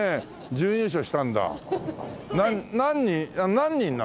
何人なの？